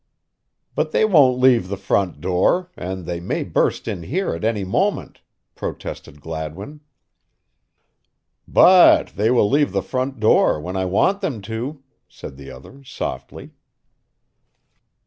"But they won't leave the front door, and they may burst in here at any moment," protested Gladwin. "But they will leave the front door when I want them to," said the other, softly.